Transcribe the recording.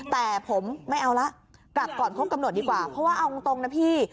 แต่ผมไม่เอาละกลับก่อนครบกำหนดดีกว่าเพราะว่าเอาตรงนะพี่